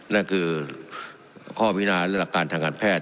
และคือข้อมีนานอาทรกรานทางการแพทย์